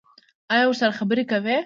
ایا ورسره خبرې کوئ؟